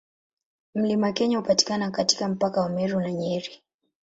Mlima Kenya hupatikana katika mpaka wa Meru na Nyeri.